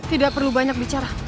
tidak perlu banyak bicara